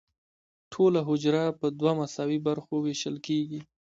ټوله حجره په دوه مساوي برخو ویشل کیږي.